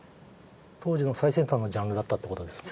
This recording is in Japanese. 当時の最先端のジャンルだったってことですね。